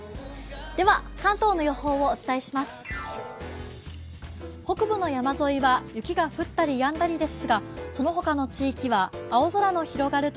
では、関東の予報をお伝えします。